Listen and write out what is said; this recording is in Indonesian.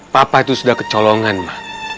papa itu sudah kecolongan mah